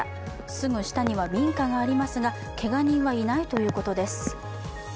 すぐ下には民家がありますが、けが人はいないということです。